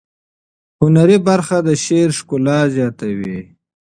هنري برخه د شعر ښکلا زیاتوي.